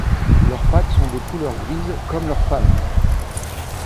Leurs pattes sont de couleur grise, comme leurs palmes.